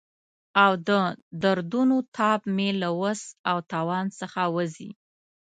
او د دردونو تاب مې له وس او توان څخه وځي.